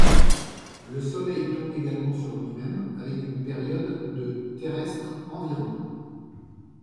Le Soleil tourne également sur lui-même, avec une période de terrestres environ.